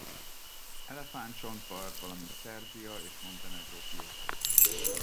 Elefántcsontpart valamint Szerbia és Montenegró kiesett.